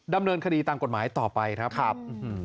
ดำเนินคดีตามกฎหมายต่อไปครับครับ